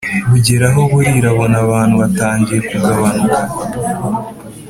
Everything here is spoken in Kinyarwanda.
bugeraho burira abona abantu batangiye kugabanuka..